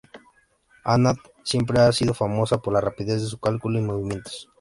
Anand siempre ha sido famoso por la rapidez de su cálculo y movimientos.